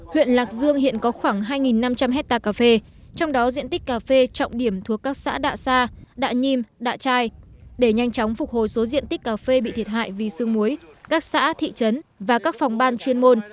huyện lạc dương hiện có khoảng hai năm trăm linh hectare cà phê trong đó diện tích cà phê trọng điểm thuộc các xã đạ sa đạ nhiêm đạ trai để nhanh chóng phục hồi số diện tích cà phê bị thiệt hại vì sương muối các xã thị trấn và các phòng ban chuyên môn